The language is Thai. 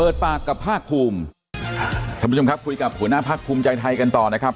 ท่านผู้ชมครับคุยกับหัวหน้าภักษ์คุมใจไทยกันต่อนะครับ